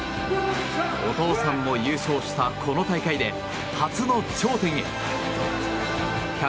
お父さんも優勝したこの大会で初の頂点へ。